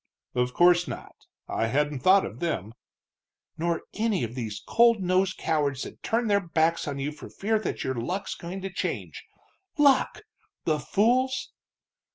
"Of course not. I hadn't thought of them." "Nor any of these cold nosed cowards that turn their backs on you for fear your luck's going to change. Luck! the fools!"